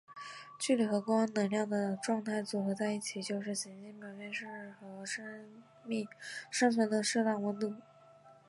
距离和光能量的状态组合在一起就是行星表面适合生命生存的适当温度。